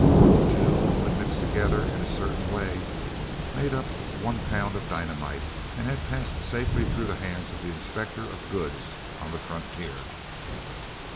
The two, when mixed together in a certain way, made up one pound of dynamite and had passed safely through the hands of the inspector of goods on the frontier.